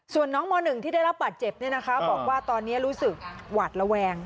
ส่วนน้องม๑ที่ได้รับบาดเจ็บบอกว่าตอนนี้รู้สึกหวาดระแวง